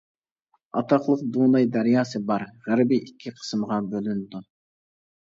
ئاتاقلىق دوناي دەرياسى بار، غەربىي ئىككى قىسىمغا بۆلۈنىدۇ.